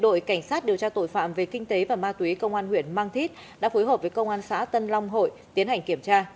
đội cảnh sát điều tra tội phạm về kinh tế và ma túy công an huyện mang thít đã phối hợp với công an xã tân long hội tiến hành kiểm tra